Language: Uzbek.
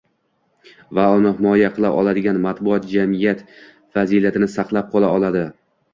va uni himoya qila oladigan matbuot jamiyat fazilatini saqlab qola oladi.